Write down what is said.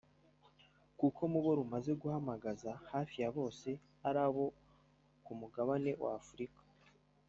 kuko mu bo rumaze guhamagaza hafi ya bose ari abo ku mugabane w’Afurika